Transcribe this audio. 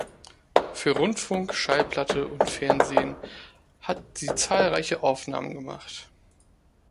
Für Rundfunk, Schallplatte und Fernsehen hat sie zahlreiche Aufnahmen gemacht.